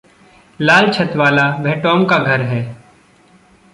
लाल छत वाला वह टॉम का घर है।